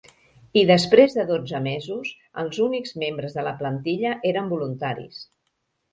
I després de dotze mesos, els únics membres de la plantilla eren voluntaris.